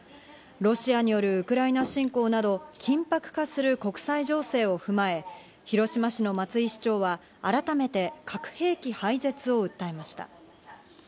ロシアによるウクライナ侵攻など緊迫化する国際情勢を踏まえ、広島市の松井市長は改めて核兵器廃絶を訴えました。